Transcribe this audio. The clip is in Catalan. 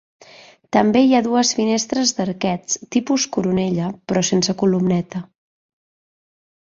També hi ha dues finestres d'arquets, tipus coronella, però sense columneta.